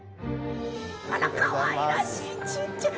あらかわいらしいちっちゃい！